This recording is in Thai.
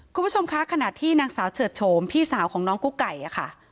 คุณผู้ชมคะขณะที่นางสาวเฉิดโฉมพี่สาวของน้องกุ๊กไก่ค่ะ